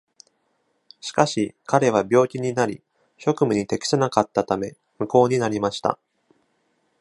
しかし、彼は病気になり、職務に適さなかったため、無効になりました。